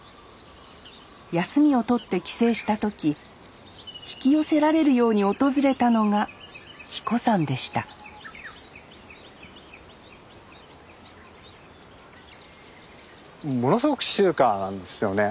休みを取って帰省した時引き寄せられるように訪れたのが英彦山でしたものすごく静かなんですよね。